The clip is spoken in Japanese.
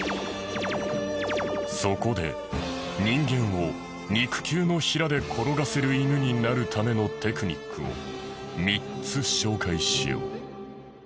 そこで人間を肉球の平で転がせる犬になるためのテクニックを３つ紹介しよう。